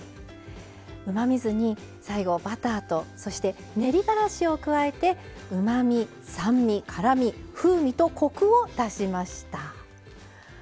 うまみ酢に最後バターとそして練りがらしを加えてうまみ酸味辛み風味とこくを足しました。